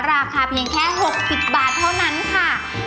ราคาเพียงแค่๖๐บาทเท่านั้นค่ะ